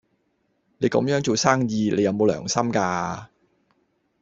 你咁樣做生意，你有冇良心㗎？